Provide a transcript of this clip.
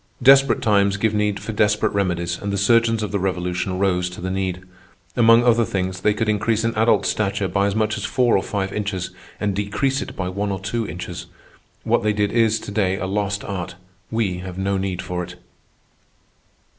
Desperate times give need for desperate remedies, and the surgeons of the Revolution rose to the need. Among other things, they could increase an adult's stature by as much as four or five inches and decrease it by one or two inches. What they did is to day a lost art. We have no need for it.